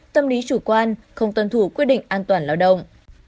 tâm lý chủ quan không tuân thủ quyết định an toàn lao động